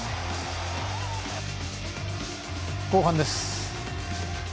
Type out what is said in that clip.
後半です。